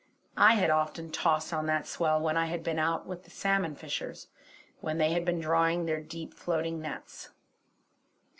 I had often tossed on that swell when I had been out with the salmon fishers, when they had been drawing their deep floating nets.